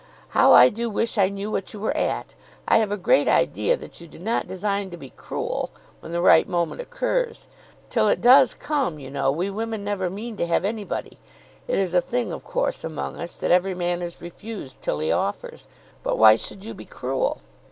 How I do wish I knew what you were at! I have a great idea that you do not design to be cruel, when the right moment occurs. Till it does come, you know, we women never mean to have anybody. It is a thing of course among us, that every man is refused, till he offers. But why should you be cruel?